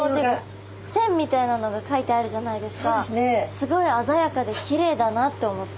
すごい鮮やかできれいだなって思って。